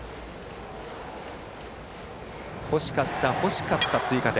欲しかった欲しかった追加点。